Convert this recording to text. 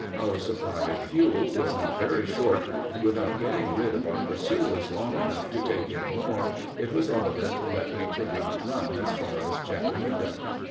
Our supply of fuel was now very short, and without getting rid of our pursuers long enough to take in more, it was evident that we could not run as far as Chattanooga.